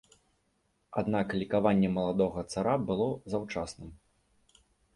Аднак лікаванне маладога цара было заўчасным.